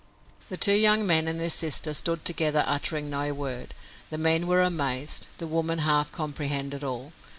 The two young men and their sister stood together uttering no word. The men were amazed. The woman half comprehended all.